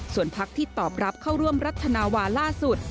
ส่วนพักที่ตอบรับเข้าร่วมรัฐนาวาล่าสุด